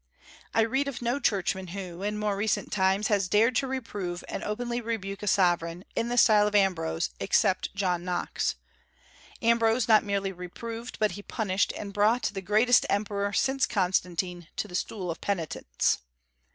I read of no churchman who, in more recent times, has dared to reprove and openly rebuke a sovereign, in the style of Ambrose, except John Knox. Ambrose not merely reproved, but he punished, and brought the greatest emperor, since Constantine, to the stool of penitence.